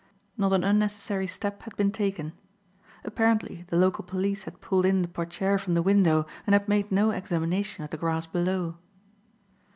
Not an unnecessary step had been taken. Apparently the local police had pulled in the portiere from the window and had made no examination of the grass below.